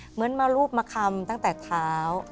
เหมือนมารูปมาคำตั้งแต่เท้า